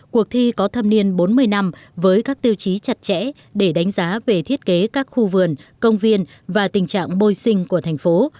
cuộc thi có thâm niên bốn mươi năm với các tiêu chí chặt chẽ để đánh giá về thiết kế các khu vườn công viên và tình trạng bôi sinh của thành phố